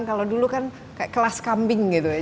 kalau dulu kan kayak kelas kambing gitu ya